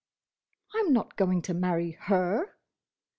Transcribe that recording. "I 'm not going to marry her!"